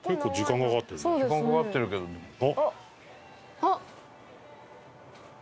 あっ！